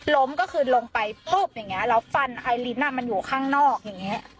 ก็คือลงไปปุ๊บอย่างนี้แล้วฟันไอลิ้นมันอยู่ข้างนอกอย่างนี้